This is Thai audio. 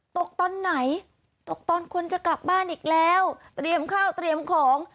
ตกตอนไหนตกตอนคนจะกลับบ้านอีกแล้วเตรียมข้าวเตรียมของ